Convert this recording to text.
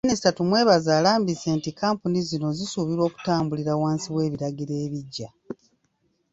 Minisita Tumwebaze alambise nti kkampuni zino zisuubirwa okutambulira wansi w'ebiragiro ebiggya.